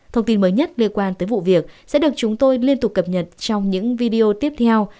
thông tin mới nhất liên quan tới vụ việc sẽ được chúng tôi liên tục cập nhật trong những video tiếp theo